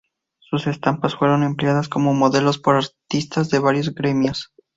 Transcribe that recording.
Sus estampas fueron empleadas como modelos por artistas de varios gremios.